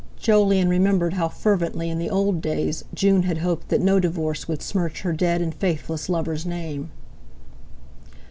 Jolyon remembered how fervently in the old days June had hoped that no divorce would smirch her dead and faithless lover's name.